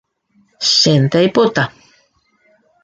Chénte aipota